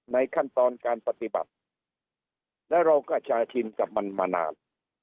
ในขั้นตอนการปฏิบัติและเราก็ชาชินกับมันมานาน